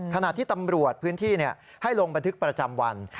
ขณะที่ตำรวจพื้นที่ให้ลงบันทึกประจำวัน